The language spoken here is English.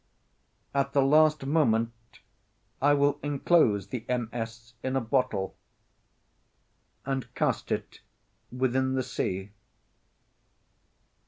At the last moment I will enclose the MS. in a bottle, and cast it within the sea.